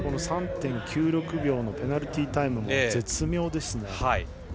３．９６秒のペナルティータイムも絶妙ですね。